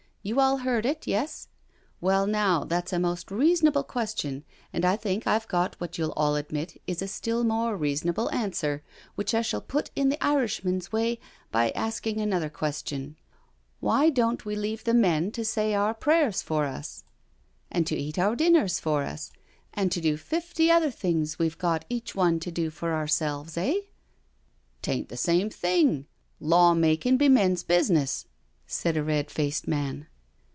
You all heard it — yes? Well, now that's a most reasonable question, and I think I've got what you'll all admit is a still more reasonable answer, which I shall put in the Irishman's way by asking another question. Why don't we leave the men to say our prayers for us and ON A TROLLY'CART 141 to eat our dinners for us and to do fifty other things we've got each one to do for ourselves — eh?" '* Tain't the same thing— law making be men's busi ness/' said a red faced man.